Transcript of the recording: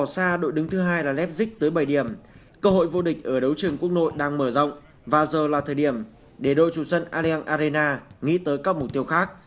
xa đội đứng thứ hai là lpgic tới bảy điểm cơ hội vô địch ở đấu trường quốc nội đang mở rộng và giờ là thời điểm để đội chủ dân aden arena nghĩ tới các mục tiêu khác